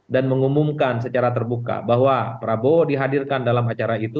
mengumumkan secara terbuka bahwa prabowo dihadirkan dalam acara itu